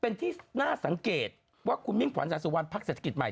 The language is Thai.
น่าสังเกตว่าคุณมิ่งขวัญสาธารณสุวรรณภักดิ์เศรษฐกิจใหม่